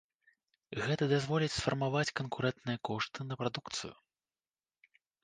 Гэта дазволіць сфармаваць канкурэнтныя кошты на прадукцыю.